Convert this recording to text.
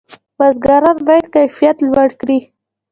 بزګران باید کیفیت لوړ کړي.